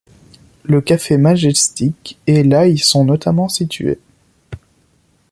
Le Café Majestic et la y sont notamment situés.